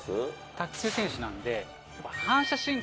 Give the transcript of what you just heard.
卓球選手なんで。